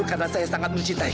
apa ini fitnah